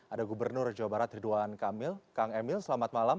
ada gubernur jawa barat ridwan kamil kang emil selamat malam